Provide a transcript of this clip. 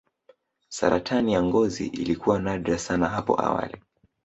saratani ya ngozi ilikuwa nadra sana hapo awali